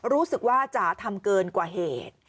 รู้สึกว่าจ๋าทำเกินกว่าเหตุ